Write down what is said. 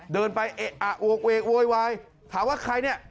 เดินไปเอ๊ะอ่ะโวกเวกโวยวายถามว่าใครเนี่ย